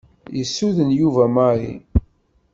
Yessuden Yuba Mary.